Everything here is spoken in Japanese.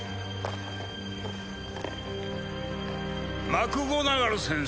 マクゴナガル先生